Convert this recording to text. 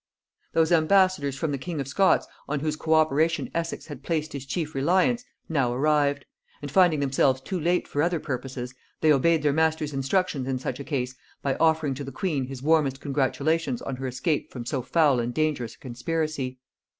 Those ambassadors from the king of Scots on whose co operation Essex had placed his chief reliance, now arrived; and finding themselves too late for other purposes, they obeyed their master's instructions in such a case by offering to the queen his warmest congratulations on her escape from so foul and dangerous a conspiracy.